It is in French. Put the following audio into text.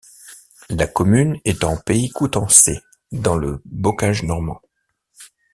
La commune est en pays coutançais, dans le bocage normand.